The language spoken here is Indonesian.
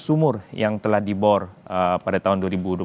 sumur yang telah dibor pada tahun dua ribu dua puluh